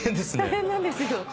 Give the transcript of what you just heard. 大変なんですよ。